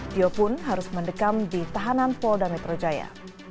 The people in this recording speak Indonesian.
tio pun harus mendekam di tahanan polda metro jaya